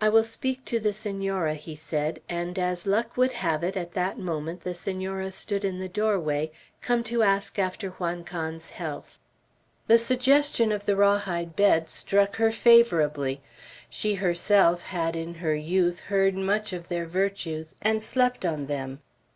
"I will speak to the Senora," he said; and as luck would have it, at that moment the Senora stood in the doorway, come to ask after Juan Can's health. The suggestion of the raw hide bed struck her favorably. She herself had, in her youth, heard much of their virtues, and slept on them.